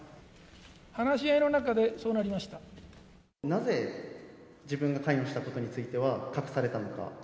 話し合いの中で、そうなりまなぜ、自分が関与したことについては隠されたのか。